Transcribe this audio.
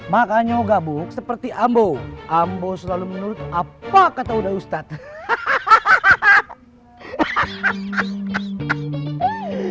makanya mau gabung seperti ambo ambo selalu menurut apa kata udah ustadz